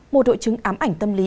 một đội chứng ám ảnh tâm lý